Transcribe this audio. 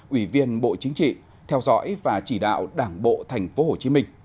ủy viên bộ chính trị theo dõi và chỉ đạo đảng bộ tp hcm